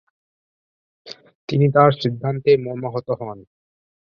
তিনি তার সিদ্ধান্তে মর্মাহত হন।